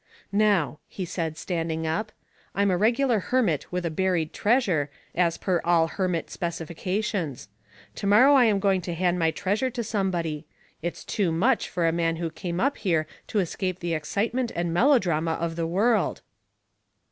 "Now," he said, standing up, "I'm a regular hermit with a buried treasure, as per all hermit specifications. To morrow I'm going to hand my treasure to somebody it's too much for a man who came up here to escape the excitement and melodrama of the world."